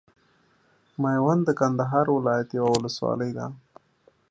ميوند د کندهار ولايت یوه ولسوالۍ ده.